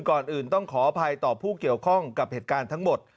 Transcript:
ก่อนอื่นต้องขออภัยต่อผู้เกี่ยวข้องกับเหตุการณ์ทั้งหมด